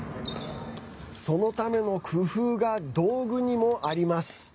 そのための工夫が道具にもあります。